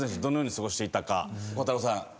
どのように過ごしていたか孝太郎さん